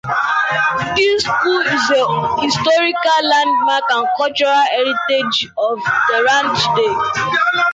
The school is a historical landmark and cultural heritage of Tehran today.